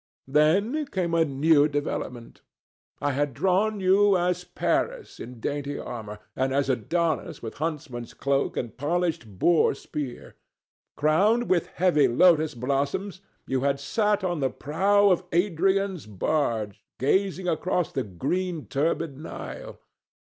Then came a new development. I had drawn you as Paris in dainty armour, and as Adonis with huntsman's cloak and polished boar spear. Crowned with heavy lotus blossoms you had sat on the prow of Adrian's barge, gazing across the green turbid Nile.